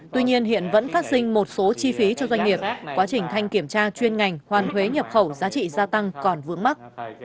tuy nhiên hiện vẫn phát sinh một số chi phí cho doanh nghiệp quá trình thanh kiểm tra chuyên ngành hoàn thuế nhập khẩu giá trị gia tăng còn vướng mắt